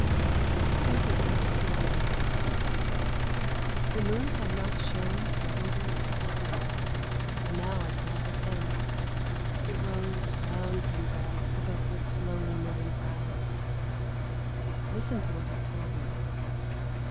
TWENTY FIRST EVENING The moon had not shone for over a fortnight, but now I saw it again; it rose round and bright above the slowly moving clouds. Listen to what it told me.